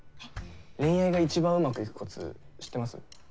恋愛がいちばんうまくいくコツ知ってます？